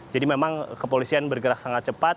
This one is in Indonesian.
jadi memang kepolisian bergerak sangat cepat